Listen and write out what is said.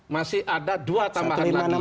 masih ada dua tambahan lagi